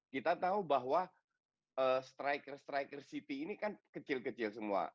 kita tahu bahwa striker striker city ini kan kecil kecil semua